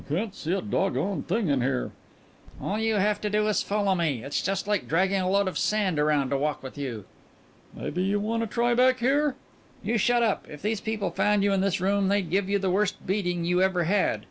"I can't see a dog gone thing in here." "All you have to do is follow me. It's just like dragging a load of sand round to walk with you." "Maybe you wanta try back here." "You shut up! If these people found you in this room they'd give you the worst beating you ever had.